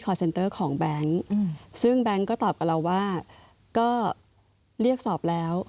เซ็นเตอร์ของแบงค์ซึ่งแบงค์ก็ตอบกับเราว่าก็เรียกสอบแล้ว